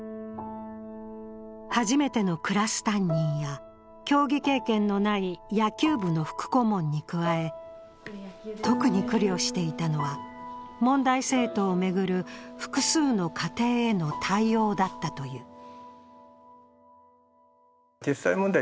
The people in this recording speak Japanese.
初めてのクラス担任や競技経験のない野球部の副顧問に加え特に苦慮していたのは、問題生徒を巡る複数の家庭への対応だったという。